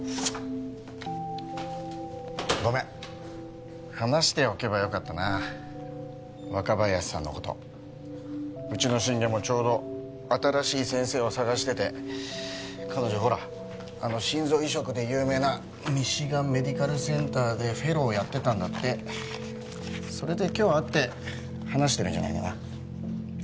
ごめん話しておけばよかったな若林さんのことうちの心外もちょうど新しい先生を探してて彼女ほらあの心臓移植で有名なミシガン・メディカルセンターでフェローやってたんだってそれで今日会って話してるんじゃないかな